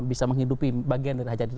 bisa menghidupi bagaimana dari hajat itu